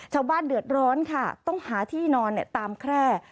ชาวบ้านเดือดร้อนค่ะต้องหาที่นอนตามแคร่